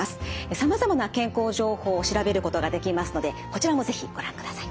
さまざまな健康情報を調べることができますのでこちらも是非ご覧ください。